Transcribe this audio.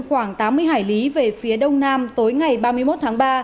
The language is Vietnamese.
khoảng tám mươi hải lý về phía đông nam tối ngày ba mươi một tháng ba